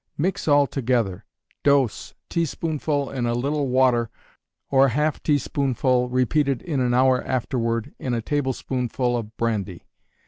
Mix all together. Dose, teaspoonful in a little water, or a half teaspoonful repeated in an hour afterward in a tablespoonful of brandy.